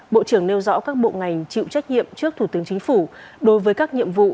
bộ trưởng nêu rõ các bộ ngành chịu trách nhiệm trước thủ tướng chính phủ đối với các nhiệm vụ